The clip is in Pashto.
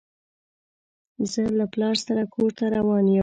زه له پلار سره کور ته روان يم.